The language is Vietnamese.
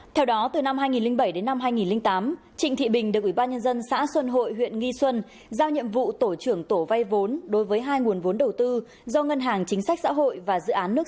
theo đó từ năm hai nghìn bảy đến năm hai nghìn tám trịnh thị bình được ủy ban nhân dân xã xuân hội huyện nghi xuân giao nhiệm vụ tổ trưởng tổ vay vốn đối với hai nguồn vốn đầu tư do ngân hàng chính sách xã hội và dự án